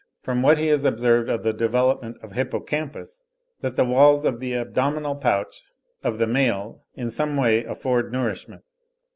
269), from what he has observed of the development of Hippocampus, that the walls of the abdominal pouch of the male in some way afford nourishment.